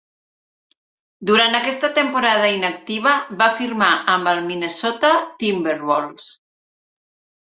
Durant aquesta temporada inactiva, va firmar amb els Minnesota Timberwolves.